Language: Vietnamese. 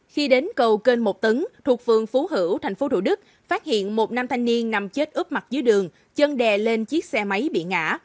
khi đến cầu kênh một tấn thuộc phường phú hữu tp thủ đức phát hiện một nam thanh niên nằm chết ướp mặt dưới đường chân đè lên chiếc xe máy bị ngã